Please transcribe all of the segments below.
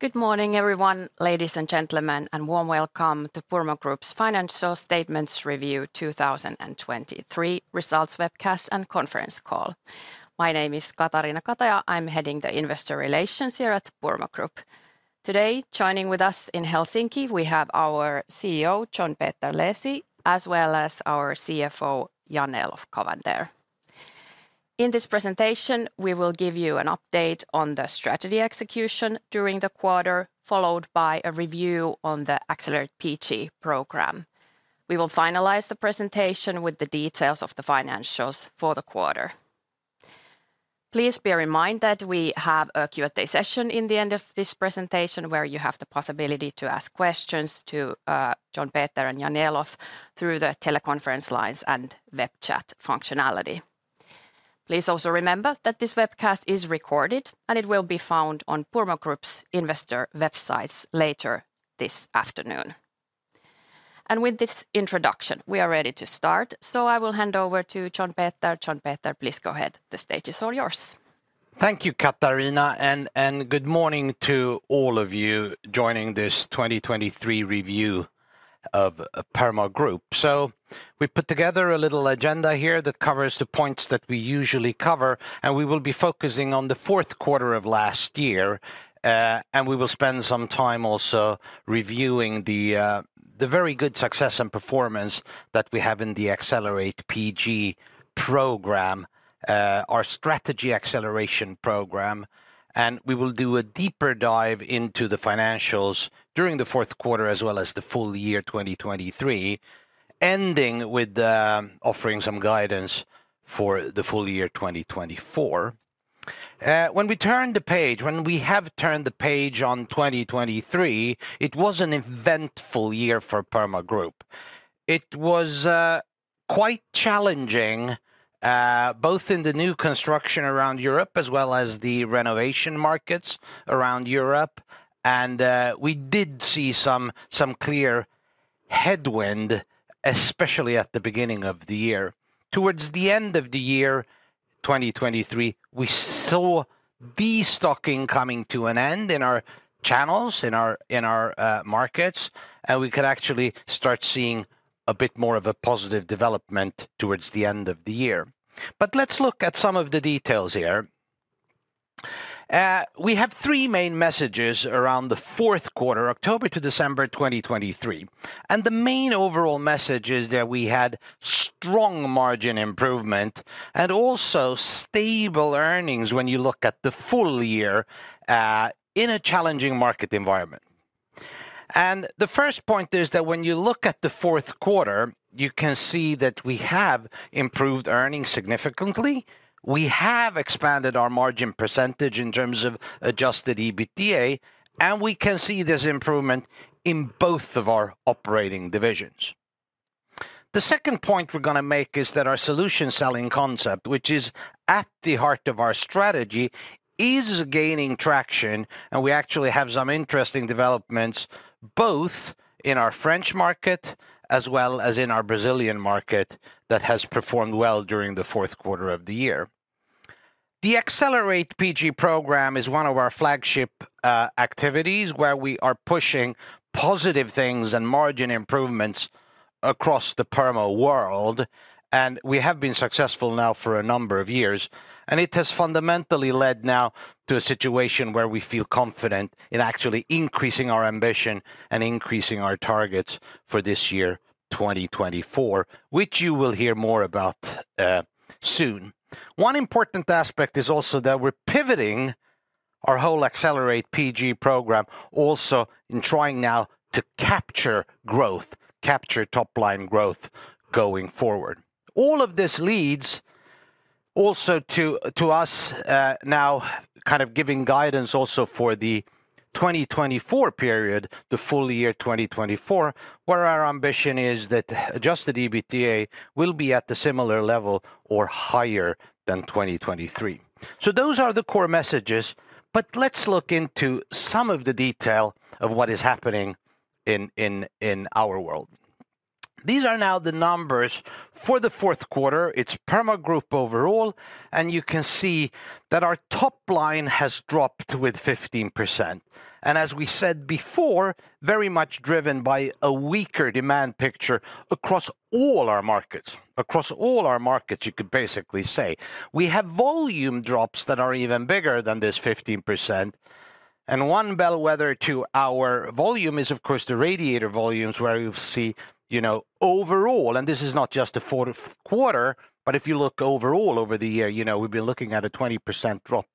Good morning, everyone, ladies and gentlemen, and warm welcome to Purmo Group's Financial Statements Review 2023 results webcast and conference call. My name is Katariina Kataja. I'm heading the investor relations here at Purmo Group. Today, joining with us in Helsinki, we have our CEO, John Peter Leesi, as well as our CFO, Jan-Elof Cavander. In this presentation, we will give you an update on the strategy execution during the quarter, followed by a review on the Accelerate PG program. We will finalize the presentation with the details of the financials for the quarter. Please bear in mind that we have a Q&A session in the end of this presentation, where you have the possibility to ask questions to John Peter and Jan-Elof through the teleconference lines and web chat functionality. Please also remember that this webcast is recorded, and it will be found on Purmo Group's investor websites later this afternoon. With this introduction, we are ready to start, so I will hand over to John Peter. John Peter, please go ahead. The stage is all yours. Thank you, Katariina, and good morning to all of you joining this 2023 review of Purmo Group. So we put together a little agenda here that covers the points that we usually cover, and we will be focusing on the fourth quarter of last year. We will spend some time also reviewing the very good success and performance that we have in the Accelerate PG program, our strategy acceleration program. And we will do a deeper dive into the financials during the fourth quarter, as well as the full year 2023, ending with offering some guidance for the full year 2024. When we turn the page, when we have turned the page on 2023, it was an eventful year for Purmo Group. It was quite challenging both in the new construction around Europe as well as the renovation markets around Europe, and we did see some clear headwind, especially at the beginning of the year. Towards the end of the year 2023, we saw destocking coming to an end in our channels, in our markets, and we could actually start seeing a bit more of a positive development towards the end of the year. But let's look at some of the details here. We have three main messages around the fourth quarter, October to December 2023, and the main overall message is that we had strong margin improvement and also stable earnings when you look at the full year in a challenging market environment. The first point is that when you look at the fourth quarter, you can see that we have improved earnings significantly. We have expanded our margin percentage in terms of Adjusted EBITDA, and we can see this improvement in both of our operating divisions. The second point we're gonna make is that our solution selling concept, which is at the heart of our strategy, is gaining traction, and we actually have some interesting developments, both in our French market as well as in our Brazilian market, that has performed well during the fourth quarter of the year. The Accelerate PG program is one of our flagship activities, where we are pushing positive things and margin improvements across the Purmo world, and we have been successful now for a number of years. It has fundamentally led now to a situation where we feel confident in actually increasing our ambition and increasing our targets for this year, 2024, which you will hear more about soon. One important aspect is also that we're pivoting our whole Accelerate PG program, also in trying now to capture growth, capture top-line growth going forward. All of this leads also to us now kind of giving guidance also for the 2024 period, the full year 2024, where our ambition is that Adjusted EBITDA will be at the similar level or higher than 2023. Those are the core messages, but let's look into some of the detail of what is happening in our world. These are now the numbers for the fourth quarter. It's Purmo Group overall, and you can see that our top line has dropped with 15%, and as we said before, very much driven by a weaker demand picture across all our markets, across all our markets, you could basically say. We have volume drops that are even bigger than this 15%, and one bellwether to our volume is, of course, the radiator volumes, where you see, you know, overall, and this is not just the fourth quarter, but if you look overall over the year, you know, we've been looking at a 20% drop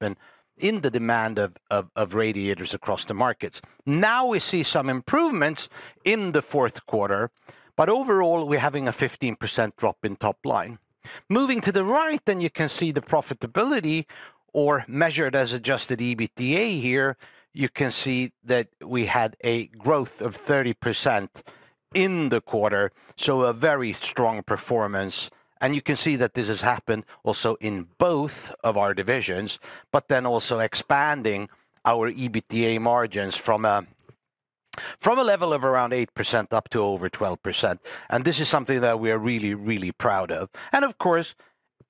in the demand of radiators across the markets. Now, we see some improvements in the fourth quarter, but overall, we're having a 15% drop in top line. Moving to the right, then you can see the profitability or measured as Adjusted EBITDA here. You can see that we had a growth of 30% in the quarter, so a very strong performance. And you can see that this has happened also in both of our divisions, but then also expanding our EBITDA margins from a level of around 8% up to over 12%, and this is something that we are really, really proud of. And of course,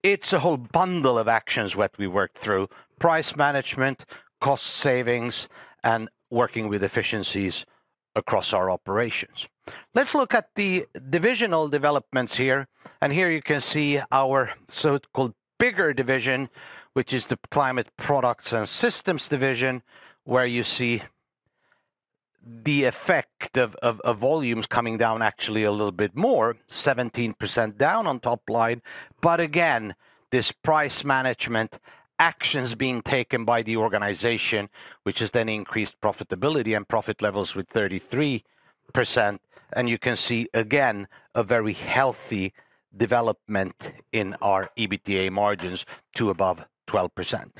it's a whole bundle of actions what we worked through: price management, cost savings, and working with efficiencies across our operations. Let's look at the divisional developments here, and here you can see our so-called bigger division, which is the Climate Products and Systems division, where you see the effect of volumes coming down actually a little bit more, 17% down on top line. But again, this price management actions being taken by the organization, which has then increased profitability and profit levels with 33%, and you can see, again, a very healthy development in our EBITDA margins to above 12%.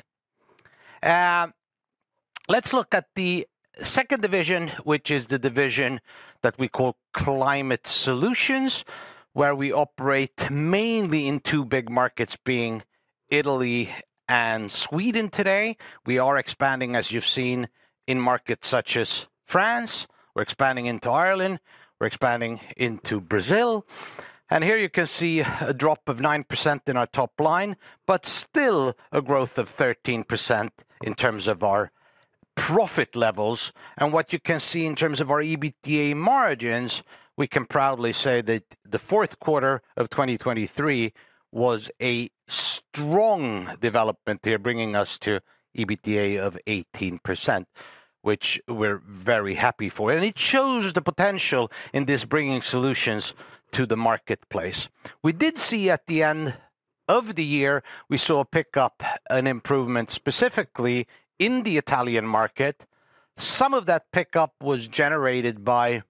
Let's look at the second division, which is the division that we call Climate Solutions, where we operate mainly in two big markets, being Italy and Sweden today. We are expanding, as you've seen, in markets such as France, we're expanding into Ireland, we're expanding into Brazil. Here you can see a drop of 9% in our top line, but still a growth of 13% in terms of our profit levels. What you can see in terms of our EBITDA margins, we can proudly say that the fourth quarter of 2023 was a strong development here, bringing us to EBITDA of 18%, which we're very happy for. It shows the potential in this bringing solutions to the marketplace. We saw at the end of the year a pickup, an improvement, specifically in the Italian market. Some of that pickup was generated by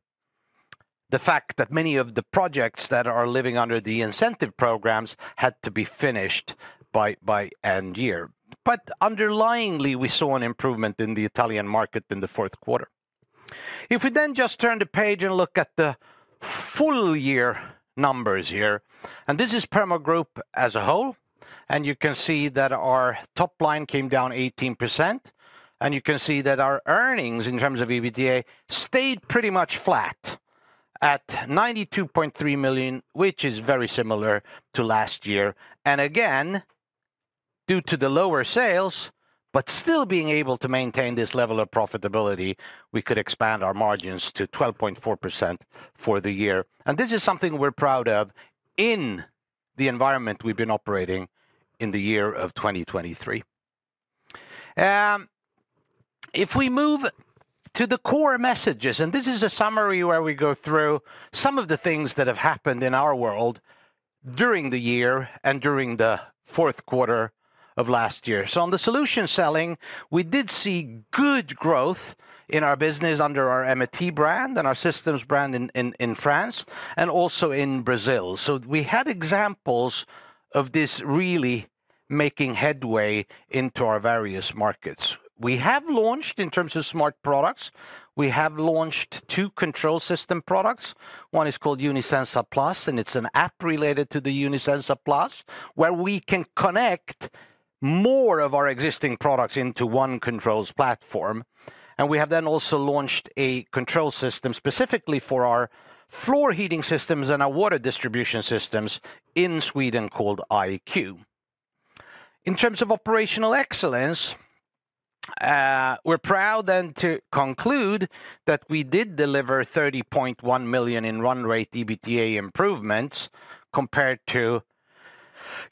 the fact that many of the projects that are living under the incentive programs had to be finished by end year. But underlyingly, we saw an improvement in the Italian market in the fourth quarter. If we then just turn the page and look at the full year numbers here, and this is Purmo Group as a whole, and you can see that our top line came down 18%, and you can see that our earnings, in terms of EBITDA, stayed pretty much flat at 92.3 million, which is very similar to last year. And again, due to the lower sales, but still being able to maintain this level of profitability, we could expand our margins to 12.4% for the year. And this is something we're proud of in the environment we've been operating in the year of 2023. If we move to the core messages, and this is a summary where we go through some of the things that have happened in our world during the year and during the fourth quarter of last year. On the solution selling, we did see good growth in our business under our Emmeti brand and our systems brand in France and also in Brazil. We had examples of this really making headway into our various markets. We have launched, in terms of smart products, we have launched two control system products. One is called Unisenza Plus, and it's an app related to the Unisenza Plus, where we can connect more of our existing products into one controls platform. We have then also launched a control system specifically for our floor heating systems and our water distribution systems in Sweden, called iQ. In terms of operational excellence, we're proud then to conclude that we did deliver 30.1 million in run rate EBITDA improvements compared to,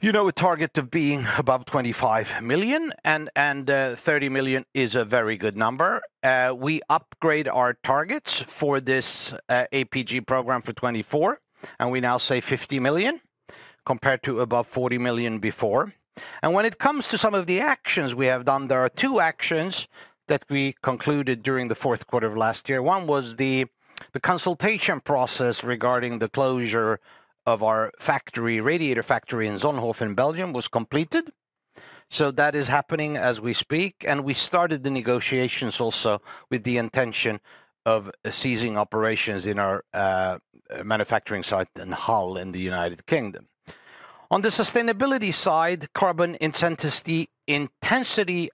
you know, a target of being above 25 million, and 30 million is a very good number. We upgrade our targets for this APG program for 2024, and we now say 50 million, compared to above 40 million before. When it comes to some of the actions we have done, there are two actions that we concluded during the fourth quarter of last year. One was the consultation process regarding the closure of our factory, radiator factory in Zonhoven, Belgium, was completed. So that is happening as we speak, and we started the negotiations also with the intention of ceasing operations in our manufacturing site in Hull, in the United Kingdom. On the sustainability side, carbon intensity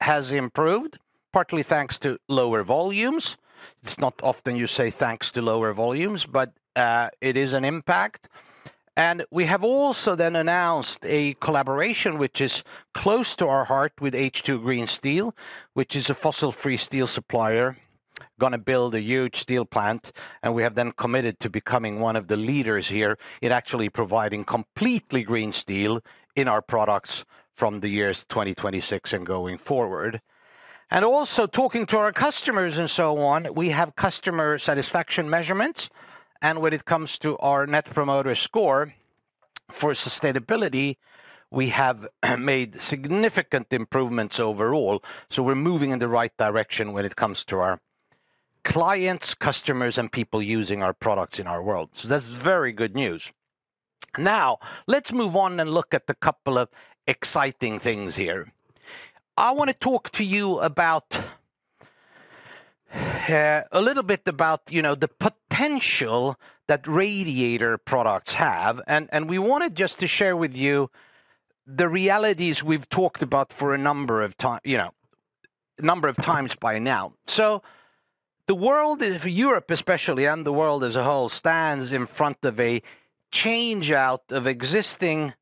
has improved, partly thanks to lower volumes. It's not often you say thanks to lower volumes, but, it is an impact. And we have also then announced a collaboration, which is close to our heart, with H2 Green Steel, which is a fossil-free steel supplier, gonna build a huge steel plant, and we have then committed to becoming one of the leaders here in actually providing completely green steel in our products from the years 2026 and going forward. And also talking to our customers and so on, we have customer satisfaction measurements, and when it comes to our Net Promoter Score for sustainability, we have made significant improvements overall. So we're moving in the right direction when it comes to our clients, customers, and people using our products in our world. So that's very good news. Now, let's move on and look at the couple of exciting things here. I wanna talk to you about, a little bit about, you know, the potential that radiator products have. And we wanted just to share with you the realities we've talked about for a number of time, you know, number of times by now. So the world, for Europe especially, and the world as a whole, stands in front of a change out of existing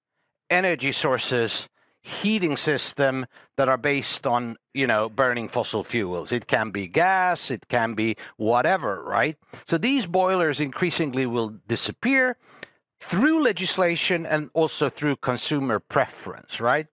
energy sources, heating system that are based on, you know, burning fossil fuels. It can be gas, it can be whatever, right? So these boilers increasingly will disappear through legislation and also through consumer preference, right?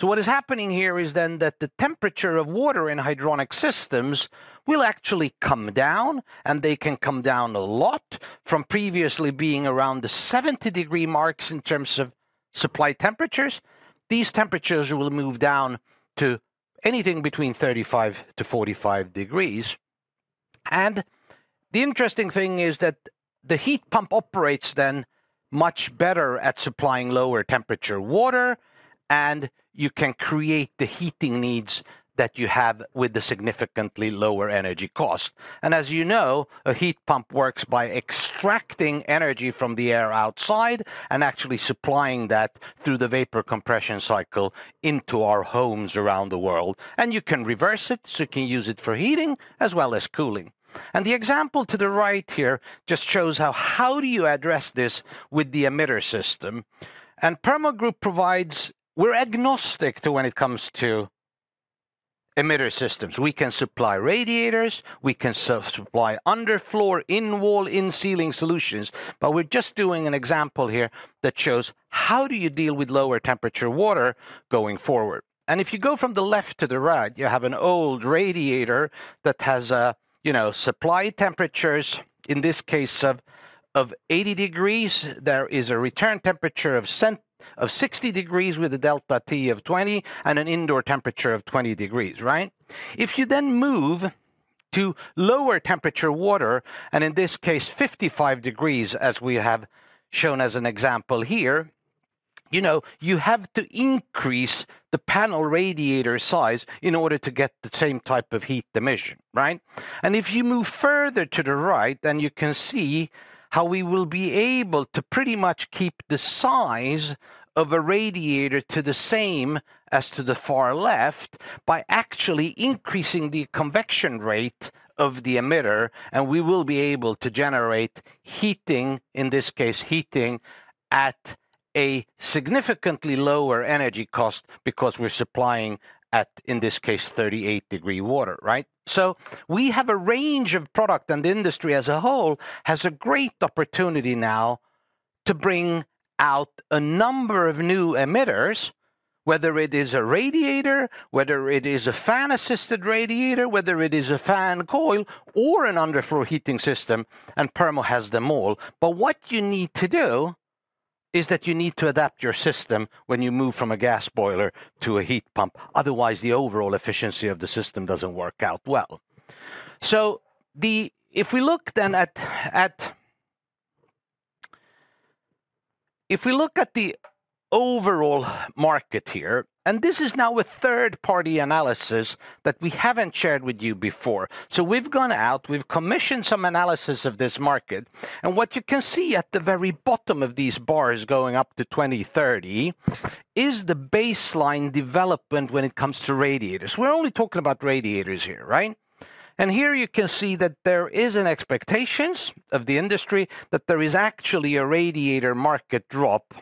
So what is happening here is then that the temperature of water in hydronic systems will actually come down, and they can come down a lot from previously being around the 70-degree marks in terms of supply temperatures. These temperatures will move down to anything between 35-45 degrees. And the interesting thing is that the heat pump operates then much better at supplying lower temperature water, and you can create the heating needs that you have with the significantly lower energy cost. And as you know, a heat pump works by extracting energy from the air outside and actually supplying that through the vapor compression cycle into our homes around the world. And you can reverse it, so you can use it for heating as well as cooling. And the example to the right here just shows how, how do you address this with the emitter system? Purmo Group provides. We're agnostic to when it comes to emitter systems. We can supply radiators, we can supply underfloor, in-wall, in-ceiling solutions, but we're just doing an example here that shows how do you deal with lower temperature water going forward. If you go from the left to the right, you have an old radiator that has, you know, supply temperatures, in this case, of 80 degrees. There is a return temperature of 60 degrees with a Delta T of 20, and an indoor temperature of 20 degrees, right? If you then move to lower temperature water, and in this case, 55 degrees, as we have shown as an example here, you know, you have to increase the panel radiator size in order to get the same type of heat emission, right? If you move further to the right, then you can see how we will be able to pretty much keep the size of a radiator to the same as to the far left by actually increasing the convection rate of the emitter, and we will be able to generate heating, in this case, heating at a significantly lower energy cost because we're supplying at, in this case, 38-degree water, right? We have a range of product, and the industry as a whole has a great opportunity now to bring out a number of new emitters, whether it is a radiator, whether it is a fan-assisted radiator, whether it is a fan coil or an underfloor heating system, and Purmo has them all. What you need to do is that you need to adapt your system when you move from a gas boiler to a heat pump. Otherwise, the overall efficiency of the system doesn't work out well. If we look at the overall market here, and this is now a third-party analysis that we haven't shared with you before. So we've gone out, we've commissioned some analysis of this market, and what you can see at the very bottom of these bars going up to 2030, is the baseline development when it comes to radiators. We're only talking about radiators here, right? And here you can see that there is an expectation of the industry, that there is actually a radiator market drop,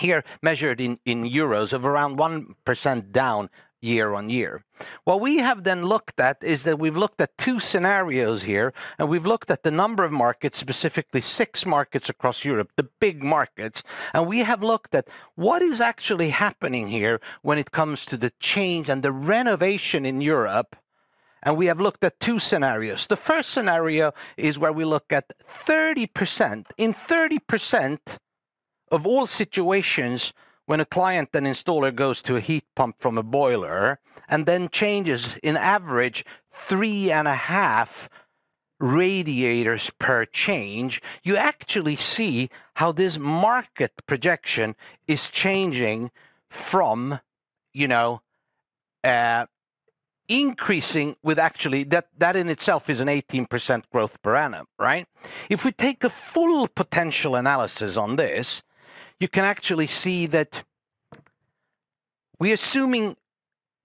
here measured in EUR, of around 1% down year-on-year. What we have then looked at is that we've looked at two scenarios here, and we've looked at the number of markets, specifically six markets across Europe, the big markets. And we have looked at what is actually happening here when it comes to the change and the renovation in Europe, and we have looked at two scenarios. The first scenario is where we look at 30%. In 30% of all situations, when a client and installer goes to a heat pump from a boiler and then changes, on average, 3.5 radiators per change, you actually see how this market projection is changing from, you know, increasing with actually. That, that in itself is an 18% growth per annum, right? If we take a full potential analysis on this, you can actually see that we're assuming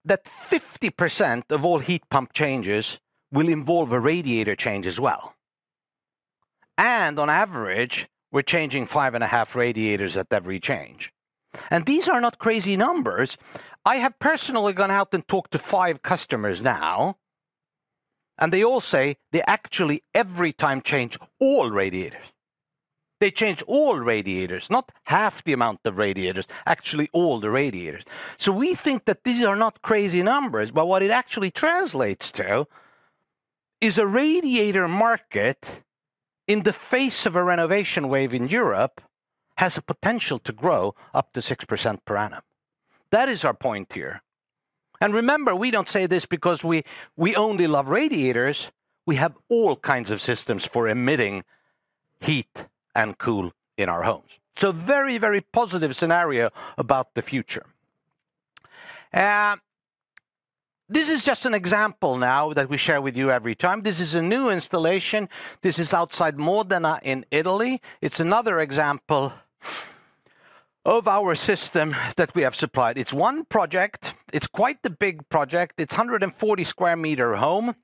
that 50% of all heat pump changes will involve a radiator change as well. And on average, we're changing 5.5 radiators at every change. And these are not crazy numbers. I have personally gone out and talked to 5 customers now, and they all say they actually, every time, change all radiators. They change all radiators, not half the amount of radiators, actually, all the radiators. So we think that these are not crazy numbers, but what it actually translates to is a radiator market, in the face of a renovation wave in Europe, has a potential to grow up to 6% per annum. That is our point here. And remember, we don't say this because we, we only love radiators. We have all kinds of systems for emitting heat and cool in our homes. So very, very positive scenario about the future. And this is just an example now that we share with you every time. This is a new installation. This is outside Modena in Italy. It's another example of our system that we have supplied. It's one project. It's quite the big project. It's a 140 square meter home,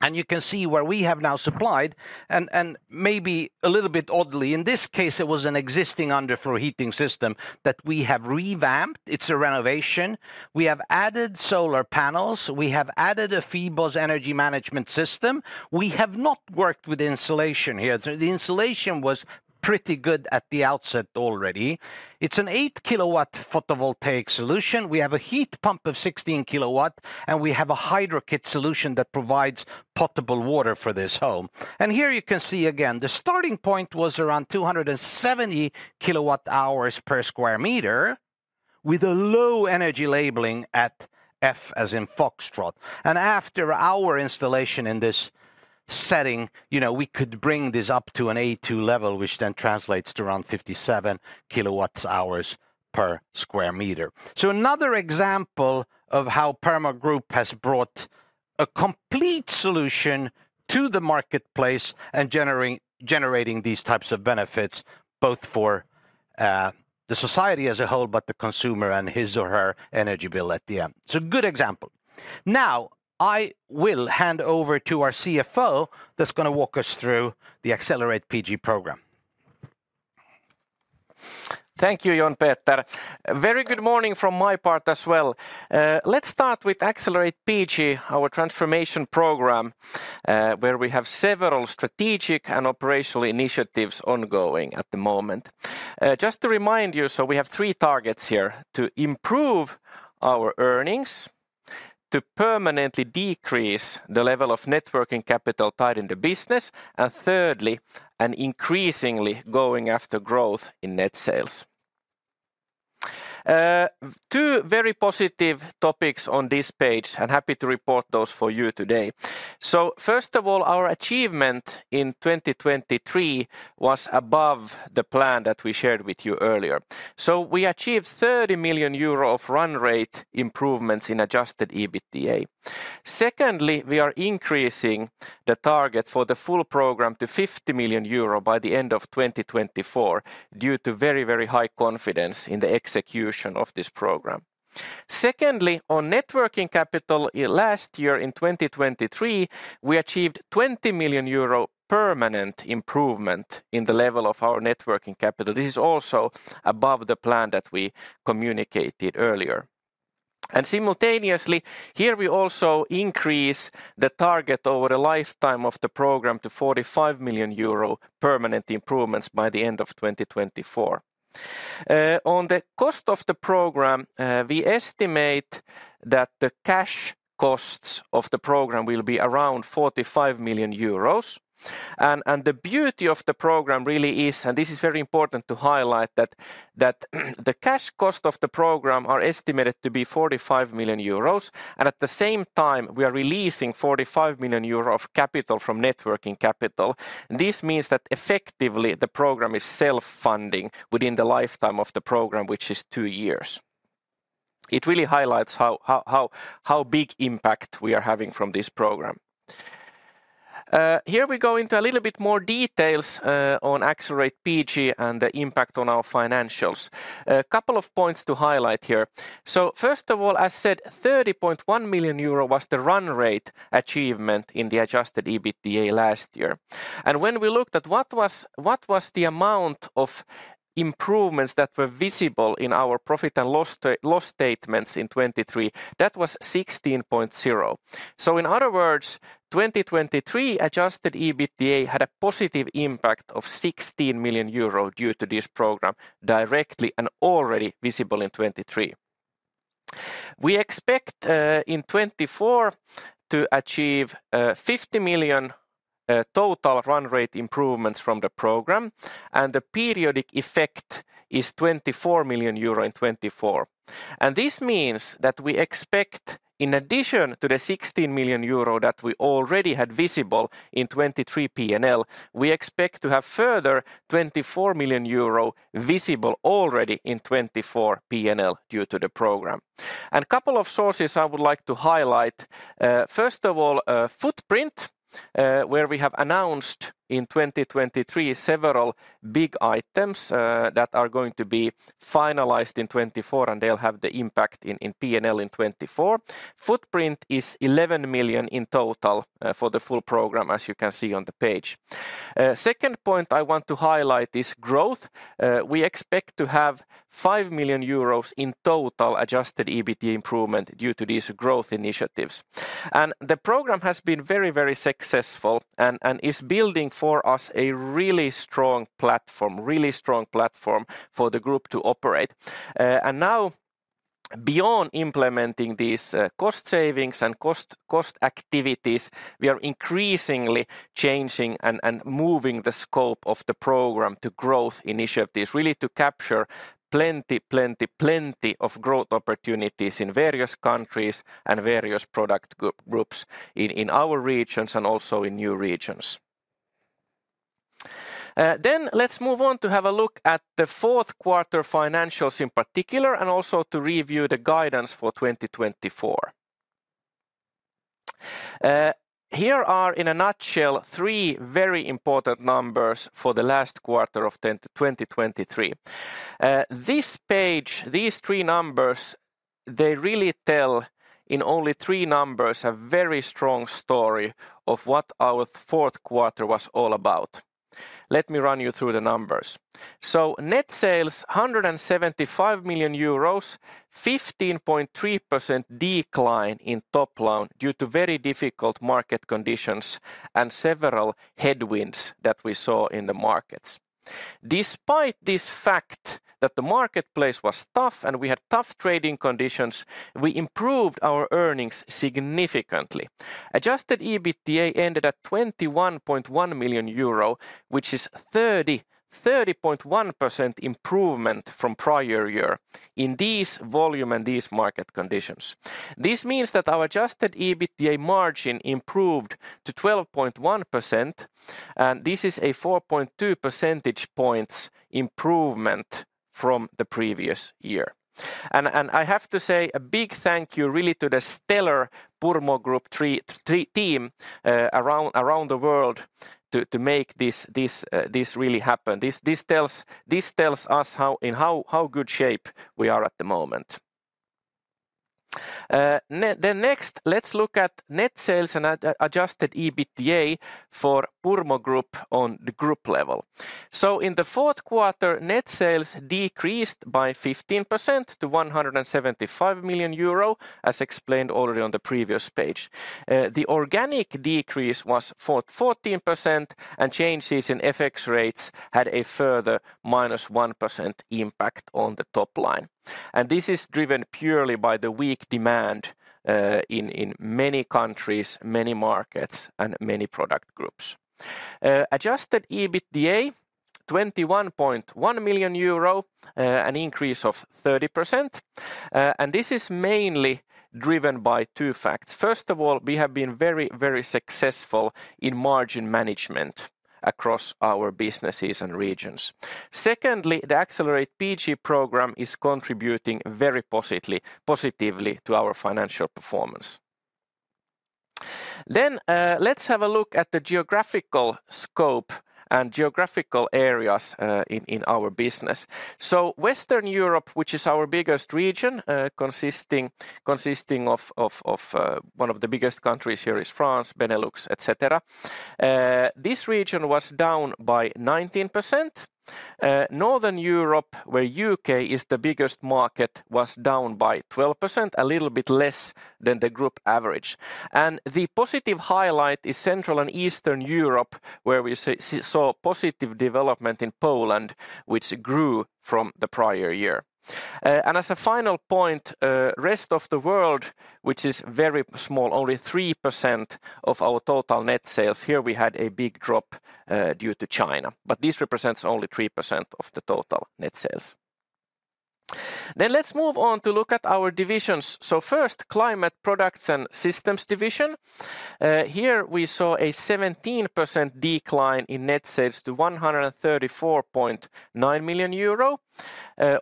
and you can see where we have now supplied, and, and maybe a little bit oddly, in this case, it was an existing underfloor heating system that we have revamped. It's a renovation. We have added solar panels. We have added a Febos energy management system. We have not worked with insulation here, so the insulation was pretty good at the outset already. It's an 8-kilowatt photovoltaic solution. We have a heat pump of 16 kilowatt, and we have a Hydrokit solution that provides potable water for this home. And here you can see again, the starting point was around 270 kWh per square meter, with a low energy labeling at F, as in foxtrot. After our installation in this setting, you know, we could bring this up to an A2 level, which then translates to around 57 kWh per square meter. So another example of how Purmo Group has brought a complete solution to the marketplace and generating, generating these types of benefits, both for the society as a whole, but the consumer and his or her energy bill at the end. It's a good example. Now, I will hand over to our CFO, that's gonna walk us through the Accelerate PG program. Thank you, John Peter. Very good morning from my part as well. Let's start with Accelerate PG, our transformation program, where we have several strategic and operational initiatives ongoing at the moment. Just to remind you, so we have three targets here: to improve our earnings, to permanently decrease the level of net working capital tied in the business, and thirdly, and increasingly, going after growth in net sales. Two very positive topics on this page, I'm happy to report those for you today. First of all, our achievement in 2023 was above the plan that we shared with you earlier. We achieved 30 million euro of run rate improvements in adjusted EBITDA. Secondly, we are increasing the target for the full program to 50 million euro by the end of 2024, due to very, very high confidence in the execution of this program. Secondly, on net working capital, last year in 2023, we achieved 20 million euro permanent improvement in the level of our net working capital. This is also above the plan that we communicated earlier. And simultaneously, here we also increase the target over the lifetime of the program to 45 million euro permanent improvements by the end of 2024. On the cost of the program, we estimate that the cash costs of the program will be around 45 million euros. The beauty of the program really is, and this is very important to highlight, that the cash cost of the program are estimated to be 45 million euros, and at the same time, we are releasing 45 million euros of capital from net working capital. This means that effectively, the program is self-funding within the lifetime of the program, which is two years. It really highlights how big impact we are having from this program. Here we go into a little bit more details on Accelerate PG and the impact on our financials. A couple of points to highlight here. So first of all, as said, 30.1 million euro was the run rate achievement in the Adjusted EBITDA last year. When we looked at what was the amount of improvements that were visible in our profit and loss statements in 2023, that was 16.0. So in other words, 2023 Adjusted EBITDA had a positive impact of 16 million euro due to this program, directly and already visible in 2023. We expect in 2024 to achieve 50 million total run rate improvements from the program, and the periodic effect is 24 million euro in 2024. And this means that we expect, in addition to the 16 million euro that we already had visible in 2023 PNL, we expect to have further 24 million euro visible already in 2024 PNL due to the program. And a couple of sources I would like to highlight. First of all, footprint, where we have announced in 2023, several big items, that are going to be finalized in 2024, and they'll have the impact in PNL in 2024. Footprint is 11 million in total, for the full program, as you can see on the page. Second point I want to highlight is growth. We expect to have 5 million euros in total adjusted EBITDA improvement due to these growth initiatives. And the program has been very, very successful and, and is building for us a really strong platform, really strong platform for the group to operate. Now, beyond implementing these, cost savings and cost activities, we are increasingly changing and moving the scope of the program to growth initiatives, really to capture plenty, plenty, plenty of growth opportunities in various countries and various product groups in our regions and also in new regions. Then let's move on to have a look at the fourth quarter financials in particular, and also to review the guidance for 2024. Here are, in a nutshell, three very important numbers for the last quarter of 2023. This page, these three numbers, they really tell, in only three numbers, a very strong story of what our fourth quarter was all about. Let me run you through the numbers. So net sales, 175 million euros, 15.3% decline in top line due to very difficult market conditions and several headwinds that we saw in the markets. Despite the fact that the marketplace was tough and we had tough trading conditions, we improved our earnings significantly. Adjusted EBITDA ended at 21.1 million euro, which is 30.1% improvement from prior year in these volume and these market conditions. This means that our adjusted EBITDA margin improved to 12.1%, and this is a 4.2 percentage points improvement from the previous year. And I have to say a big thank you really to the stellar Purmo Group team around the world to make this really happen. This tells us how good shape we are at the moment. Then next, let's look at net sales and at adjusted EBITDA for Purmo Group on the group level. So in the fourth quarter, net sales decreased by 15% to 175 million euro, as explained already on the previous page. The organic decrease was 14%, and changes in FX rates had a further -1% impact on the top line. And this is driven purely by the weak demand in many countries, many markets, and many product groups. Adjusted EBITDA, 21.1 million euro, an increase of 30%. And this is mainly driven by two facts. First of all, we have been very, very successful in margin management across our businesses and regions. Secondly, the Accelerate PG program is contributing very positively, positively to our financial performance. Then, let's have a look at the geographical scope and geographical areas, in our business. So Western Europe, which is our biggest region, consisting of one of the biggest countries here is France, Benelux, et cetera, this region was down by 19%. Northern Europe, where U.K. is the biggest market, was down by 12%, a little bit less than the group average. And the positive highlight is Central and Eastern Europe, where we saw positive development in Poland, which grew from the prior year. And as a final point, Rest of the World, which is very small, only 3% of our total net sales. Here we had a big drop due to China, but this represents only 3% of the total net sales. Then let's move on to look at our divisions. So first, Climate Products and Systems division. Here we saw a 17% decline in net sales to 134.9 million euro.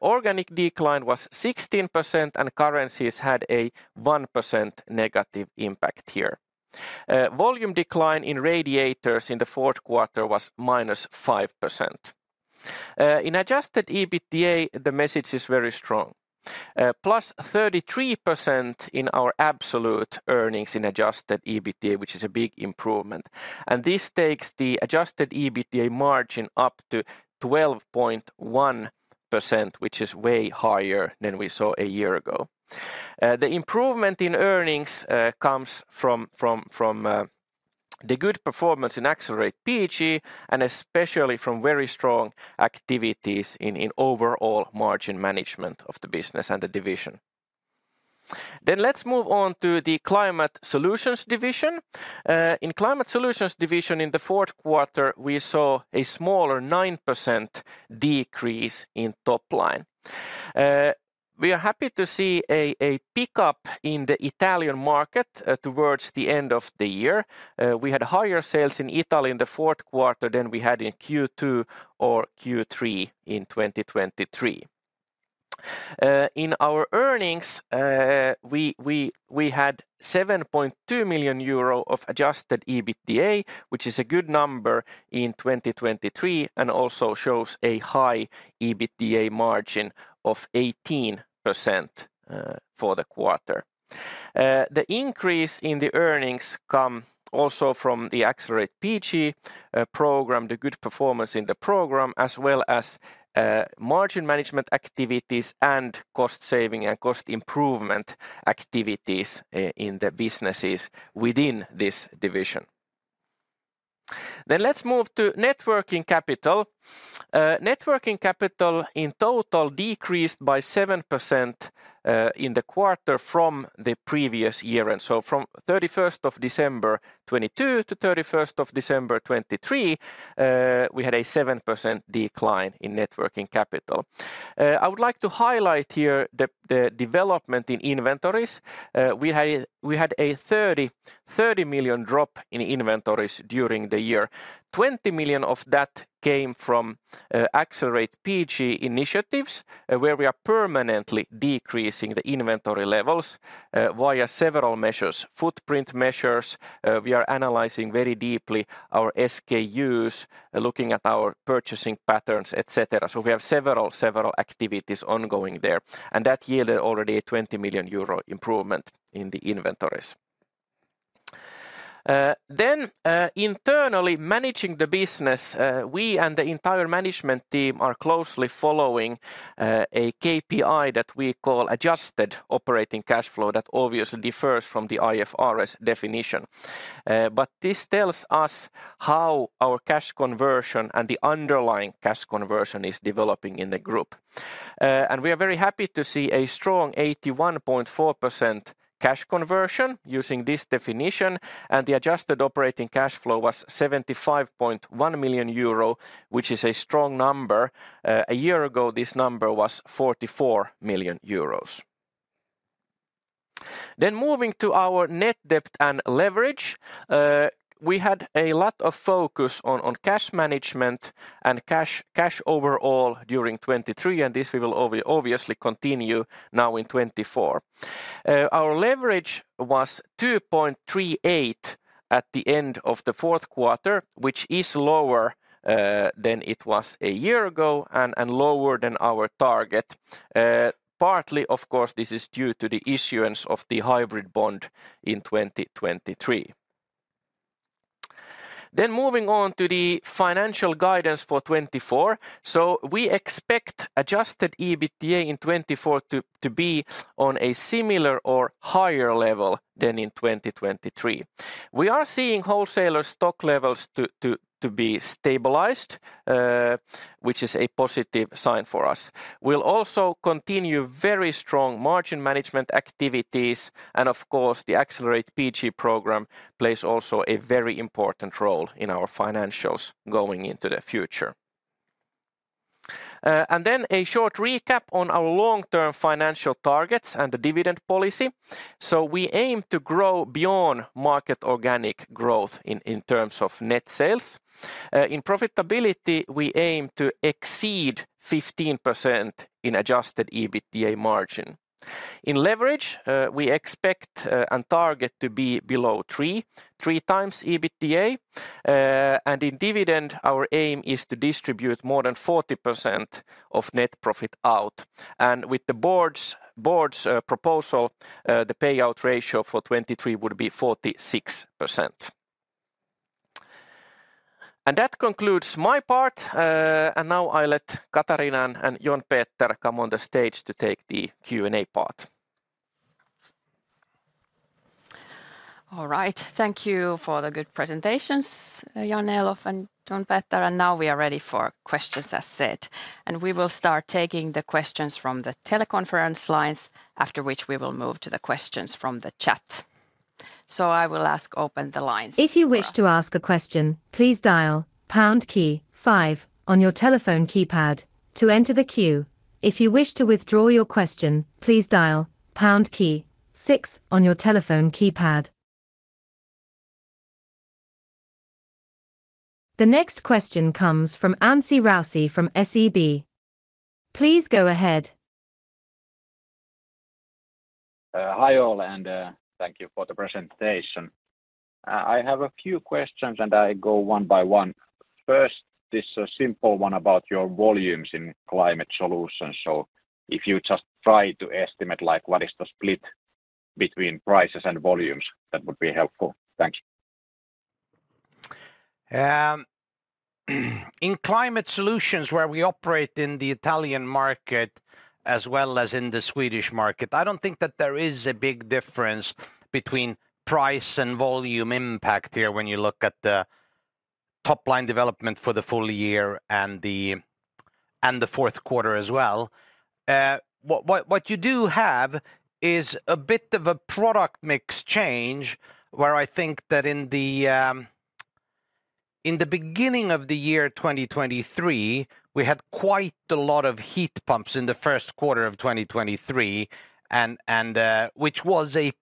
Organic decline was 16%, and currencies had a 1% negative impact here. Volume decline in radiators in the fourth quarter was -5%. In adjusted EBITDA, the message is very strong. Plus 33% in our absolute earnings in adjusted EBITDA, which is a big improvement. And this takes the adjusted EBITDA margin up to 12.1%, which is way higher than we saw a year ago. The improvement in earnings comes from the good performance in Accelerate PG, and especially from very strong activities in overall margin management of the business and the division. Then let's move on to the Climate Solutions division. In Climate Solutions division in the fourth quarter, we saw a smaller 9% decrease in top line. We are happy to see a pickup in the Italian market towards the end of the year. We had higher sales in Italy in the fourth quarter than we had in Q2 or Q3 in 2023. In our earnings, we had 7.2 million euro of adjusted EBITDA, which is a good number in 2023, and also shows a high EBITDA margin of 18%, for the quarter. The increase in the earnings come also from the Accelerate PG program, the good performance in the program, as well as margin management activities and cost saving and cost improvement activities in the businesses within this division. Then let's move to net working capital. Net working capital in total decreased by 7% in the quarter from the previous year. And so from December 31, 2022 to December 31, 2023, we had a 7% decline in net working capital. I would like to highlight here the development in inventories. We had a 30 million drop in inventories during the year. 20 million of that came from Accelerate PG initiatives, where we are permanently decreasing the inventory levels via several measures. Footprint measures, we are analyzing very deeply our SKUs, looking at our purchasing patterns, et cetera. So we have several, several activities ongoing there, and that yielded already a 20 million euro improvement in the inventories. Then, internally managing the business, we and the entire management team are closely following, a KPI that we call adjusted operating cash flow, that obviously differs from the IFRS definition. But this tells us how our cash conversion and the underlying cash conversion is developing in the group. And we are very happy to see a strong 81.4% cash conversion using this definition, and the adjusted operating cash flow was 75.1 million euro, which is a strong number. A year ago, this number was 44 million euros. Then moving to our net debt and leverage, we had a lot of focus on cash management and cash overall during 2023, and this we will obviously continue now in 2024. Our leverage was 2.38 at the end of the fourth quarter, which is lower than it was a year ago and lower than our target. Partly, of course, this is due to the issuance of the hybrid bond in 2023. Then moving on to the financial guidance for 2024. So we expect adjusted EBITDA in 2024 to be on a similar or higher level than in 2023. We are seeing wholesaler stock levels to be stabilized, which is a positive sign for us. We'll also continue very strong margin management activities, and of course, the Accelerate PG program plays also a very important role in our financials going into the future. And then a short recap on our long-term financial targets and the dividend policy. So we aim to grow beyond market organic growth in terms of net sales. In profitability, we aim to exceed 15% in adjusted EBITDA margin. In leverage, we expect and target to be below 3x EBITDA. And in dividend, our aim is to distribute more than 40% of net profit out, and with the board's proposal, the payout ratio for 2023 would be 46%. And that concludes my part. And now I let Katariina and John Peter come on the stage to take the Q&A part. All right. Thank you for the good presentations, Jan-Elof and John Peter, and now we are ready for questions as said. We will start taking the questions from the teleconference lines, after which we will move to the questions from the chat. I will ask open the lines. If you wish to ask a question, please dial pound key five on your telephone keypad to enter the queue. If you wish to withdraw your question, please dial pound key six on your telephone keypad. The next question comes from Anssi Raussi from SEB. Please go ahead. Hi, all, and thank you for the presentation. I have a few questions, and I go one by one. First, this, a simple one about your volumes in Climate Solutions. So if you just try to estimate, like, what is the split between prices and volumes, that would be helpful. Thank you. In Climate Solutions, where we operate in the Italian market as well as in the Swedish market, I don't think that there is a big difference between price and volume impact here when you look at the top-line development for the full year and the fourth quarter as well. What you do have is a bit of a product mix change, where I think that in the beginning of the year 2023, we had quite a lot of heat pumps in the first quarter of 2023, which was a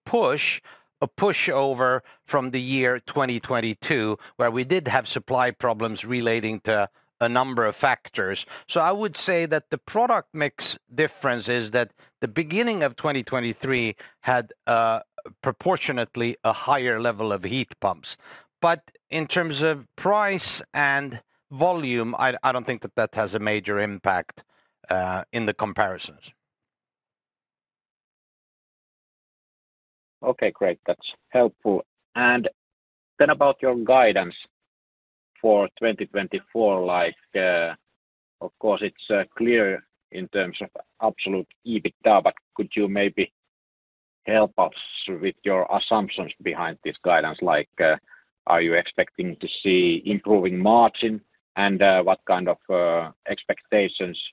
pushover from the year 2022, where we did have supply problems relating to a number of factors. So I would say that the product mix difference is that the beginning of 2023 had proportionately a higher level of heat pumps. In terms of price and volume, I don't think that has a major impact in the comparisons. Okay, great. That's helpful. And then about your guidance for 2024, like, of course, it's clear in terms of absolute EBITDA, but could you maybe help us with your assumptions behind this guidance. Like, are you expecting to see improving margin? And, what kind of expectations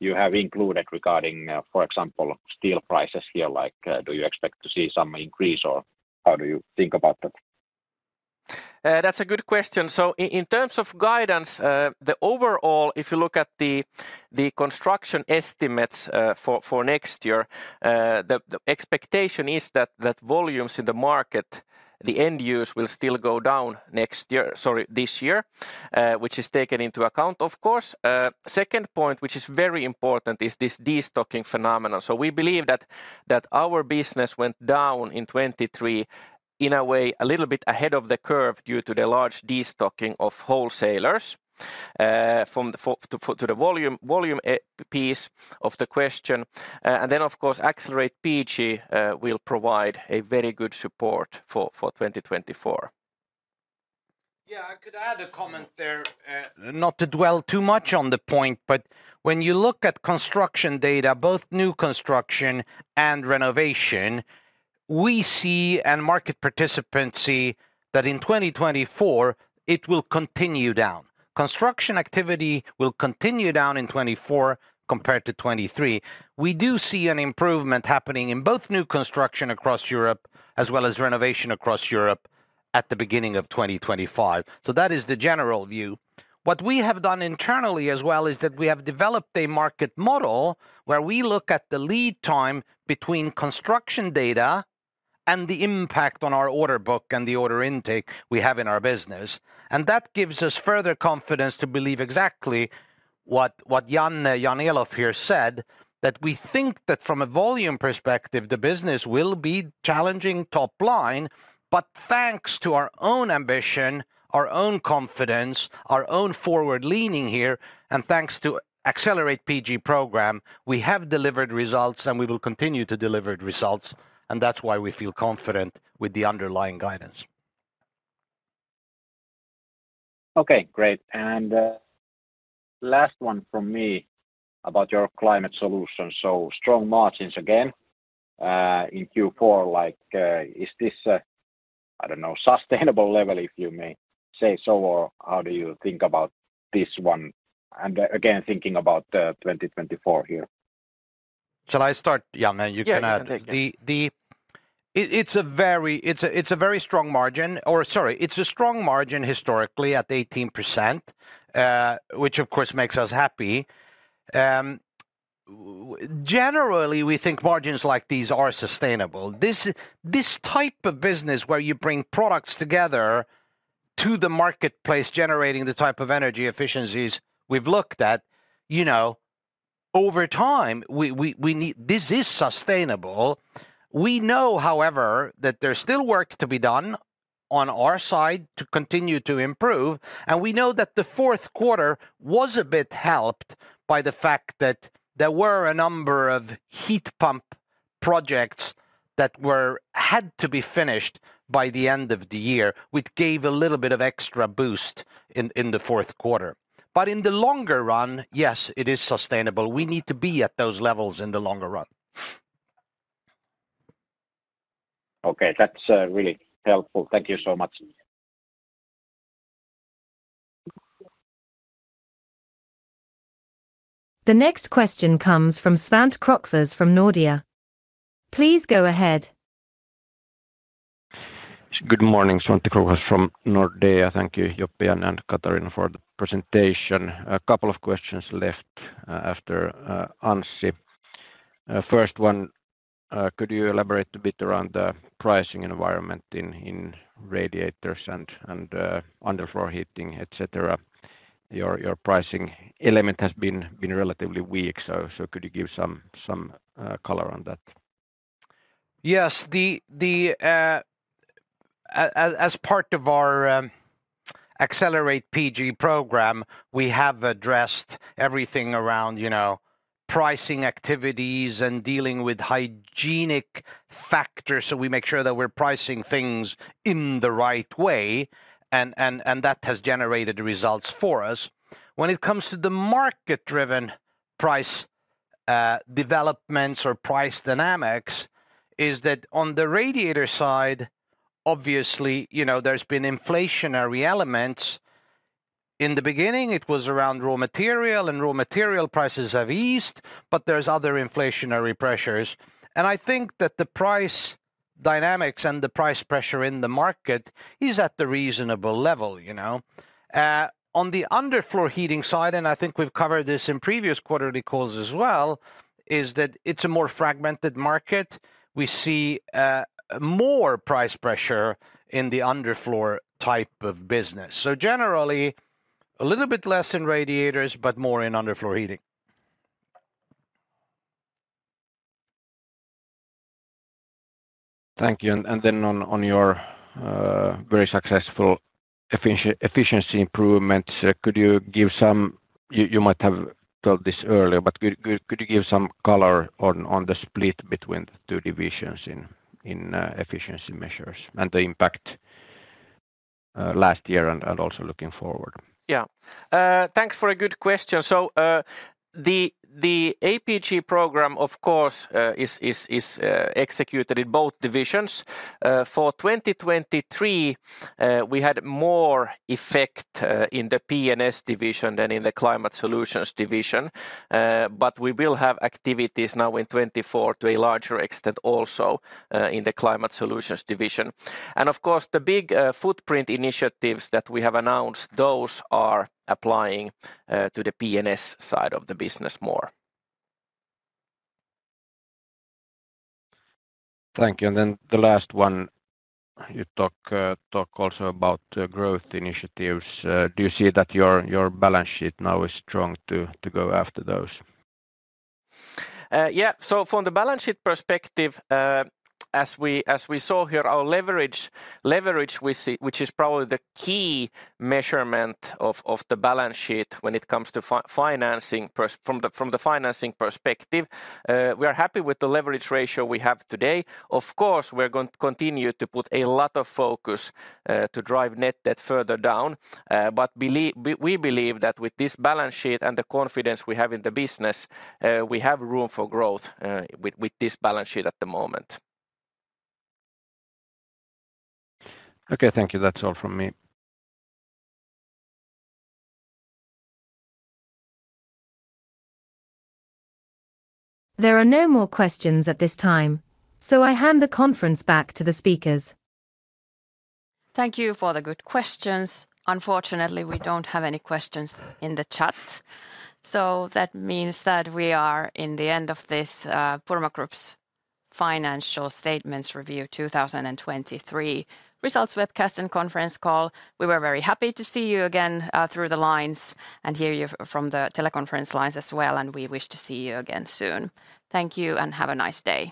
you have included regarding, for example, steel prices here? Like, do you expect to see some increase, or how do you think about that? That's a good question. So in terms of guidance, the overall, if you look at the construction estimates, for next year, the expectation is that volumes in the market, the end use will still go down next year—sorry, this year, which is taken into account, of course. Second point, which is very important, is this destocking phenomenon. So we believe that our business went down in 2023 in a way a little bit ahead of the curve due to the large destocking of wholesalers, from the to the volume piece of the question. And then, of course, Accelerate PG will provide a very good support for 2024. Yeah, I could add a comment there. Not to dwell too much on the point, but when you look at construction data, both new construction and renovation, we see, and market participants see, that in 2024, it will continue down. Construction activity will continue down in 2024 compared to 2023. We do see an improvement happening in both new construction across Europe as well as renovation across Europe at the beginning of 2025. So that is the general view. What we have done internally as well, is that we have developed a market model where we look at the lead time between construction data and the impact on our order book and the order intake we have in our business. And that gives us further confidence to believe exactly what Jan-Elof here said, that we think that from a volume perspective, the business will be challenging top line. But thanks to our own ambition, our own confidence, our own forward leaning here, and thanks to Accelerate PG program, we have delivered results, and we will continue to deliver results, and that's why we feel confident with the underlying guidance. Okay, great. And last one from me about your Climate Solutions. So strong margins again in Q4, like, is this a, I don't know, sustainable level, if you may say so, or how do you think about this one? And again, thinking about 2024 here. Shall I start, Jan, and you can add? Yeah, you can take it. It's a very strong margin. Or sorry, it's a strong margin historically at 18%, which of course makes us happy. Generally, we think margins like these are sustainable. This type of business, where you bring products together to the marketplace, generating the type of energy efficiencies we've looked at, you know, over time, this is sustainable. We know, however, that there's still work to be done on our side to continue to improve, and we know that the fourth quarter was a bit helped by the fact that there were a number of heat pump projects that had to be finished by the end of the year, which gave a little bit of extra boost in the fourth quarter. But in the longer run, yes, it is sustainable. We need to be at those levels in the longer run. Okay, that's really helpful. Thank you so much. The next question comes from Svante Krokfors from Nordea. Please go ahead. Good morning, Svante Krokfors from Nordea. Thank you, Joppe and Katariina, for the presentation. A couple of questions left after Anssi. First one, could you elaborate a bit around the pricing environment in radiators and underfloor heating, et cetera? Your pricing element has been relatively weak, so could you give some color on that? Yes. As part of our Accelerate PG program, we have addressed everything around, you know, pricing activities and dealing with hygienic factors, so we make sure that we're pricing things in the right way, and that has generated results for us. When it comes to the market-driven price developments or price dynamics, is that on the radiator side, obviously, you know, there's been inflationary elements. In the beginning, it was around raw material, and raw material prices have eased, but there's other inflationary pressures. And I think that the price dynamics and the price pressure in the market is at the reasonable level, you know. On the underfloor heating side, and I think we've covered this in previous quarterly calls as well, is that it's a more fragmented market. We see more price pressure in the underfloor type of business. Generally, a little bit less in radiators, but more in underfloor heating. Thank you. And then on your very successful efficiency improvements, could you give some... You might have told this earlier, but could you give some color on the split between the two divisions in efficiency measures and the impact last year and also looking forward? Yeah. Thanks for a good question. So, the Accelerate PG program, of course, is executed in both divisions. For 2023, we had more effect in the P&S division than in the Climate Solutions division. But we will have activities now in 2024 to a larger extent also in the Climate Solutions division. And of course, the big footprint initiatives that we have announced, those are applying to the P&S side of the business more. Thank you, and then the last one. You talk also about growth initiatives. Do you see that your balance sheet now is strong to go after those? Yeah, so from the balance sheet perspective, as we saw here, our leverage, which we see—which is probably the key measurement of the balance sheet when it comes to the financing perspective—we are happy with the leverage ratio we have today. Of course, we're going to continue to put a lot of focus to drive net debt further down. But we believe that with this balance sheet and the confidence we have in the business, we have room for growth with this balance sheet at the moment. Okay, thank you. That's all from me. There are no more questions at this time, so I hand the conference back to the speakers. Thank you for the good questions. Unfortunately, we don't have any questions in the chat, so that means that we are in the end of this, Purmo Group's Financial Statements Review 2023 results webcast and conference call. We were very happy to see you again, through the lines, and hear you from the teleconference lines as well, and we wish to see you again soon. Thank you, and have a nice day.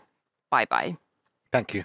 Bye bye. Thank you.